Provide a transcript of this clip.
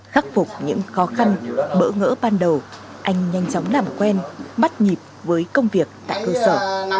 khắc phục những khó khăn bỡ ngỡ ban đầu anh nhanh chóng làm quen bắt nhịp với công việc tại cơ sở